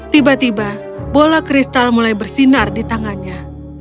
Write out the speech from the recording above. tiba tiba bola kristal mulai bersinar di tangannya